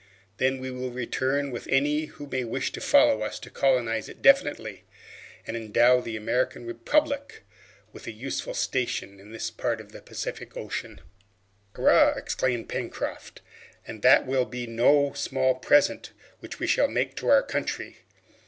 Then we will return with any who may wish to follow us to colonize it definitely, and endow the American Republic with a useful station in this part of the Pacific Ocean!" "Hurrah!" exclaimed Pencroft, "and that will be no small present which we shall make to our country!